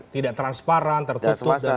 tidak transparan tertutup